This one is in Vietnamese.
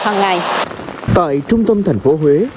hàng ngày tại trung tâm thành phố huế